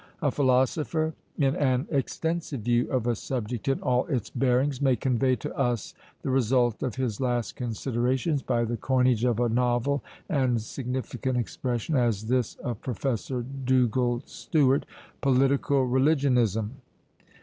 A philosopher, in an extensive view of a subject in all its bearings, may convey to us the result of his last considerations by the coinage of a novel and significant expression, as this of Professor Dugald Stewart political religionism.